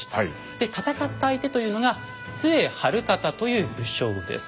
で戦った相手というのが陶晴賢という武将です。